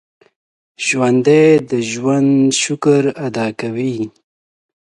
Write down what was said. ژوندي د ژوند شکر ادا کوي